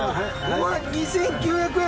２，９００円！